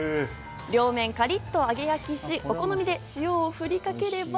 両面カリっと揚げ焼きし、お好みで塩をふりかければ。